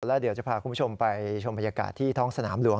แล้วเดี๋ยวจะพาคุณผู้ชมไปชมบรรยากาศที่ท้องสนามหลวง